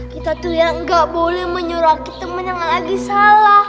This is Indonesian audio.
kita tulia nggak boleh menyoraki teman yang lagi salah